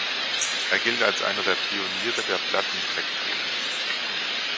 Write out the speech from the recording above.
Er gilt als einer der Pioniere der Plattentektonik.